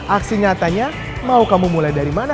aksi nyatanya mau kamu mulai dari mana